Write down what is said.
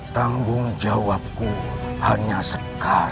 tanggung jawabku hanya sekar